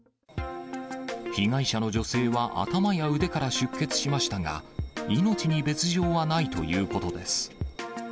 被害者の女性は頭や腕から出血しましたが、命に別状はないということです。